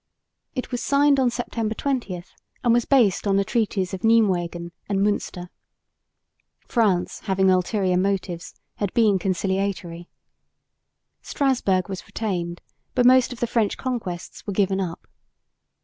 It was signed on September 20 and was based upon the treaties of Nijmwegen and Münster. France, having ulterior motives, had been conciliatory. Strasburg was retained, but most of the French conquests were given up.